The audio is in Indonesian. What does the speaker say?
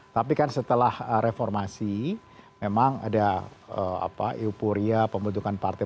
tapi kan setelah reformasi memang ada euforia pembentukan partai